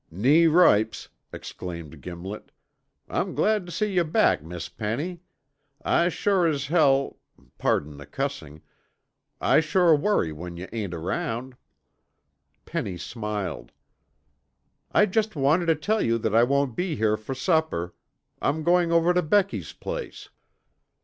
"Keee ripes," exclaimed Gimlet, "I'm glad tuh see yuh back, Miss Penny. I shore as hell pardon the cussin' I shore worry when yuh ain't around." Penny smiled. "I just wanted to tell you that I won't be here for supper. I'm going over to Becky's place."